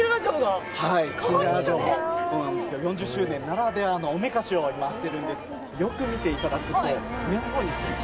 ４０周年ならではのおめかしをしているんです。